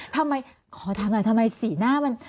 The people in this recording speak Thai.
ทำไมขออธารณาทำทำไมสีหน้ามัน